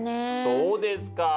そうですか。